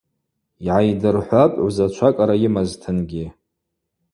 Йгӏайдырхӏвапӏ гӏвзачва кӏара йымазтынгьи.